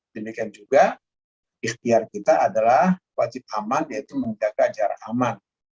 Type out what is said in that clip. demikian juga ikhtiar kita adalah wajib aman yaitu menjaga jarak aman